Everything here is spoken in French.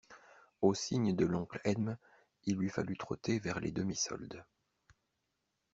Au signe de l'oncle Edme, il lui fallut trotter vers les demi-soldes.